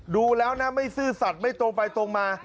ดูแล้วนะไม่ซื่อสัตว์ไม่ตรงไปตรงมา